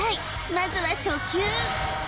まずは初級